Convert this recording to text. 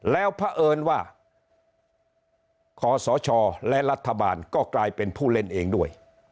แล้วเพราะเอิญว่าขอสชและรัฐบาลก็กลายเป็นผู้เล่นเองด้วย